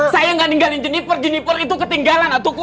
saya nggak tinggalin jeniper jeniper itu ketinggalan atuh kum